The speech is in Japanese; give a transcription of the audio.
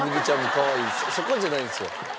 そこじゃないんですよ。